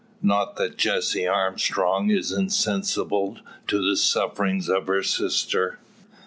Not that Jessie Armstrong is insensible to the sufferings of her sister.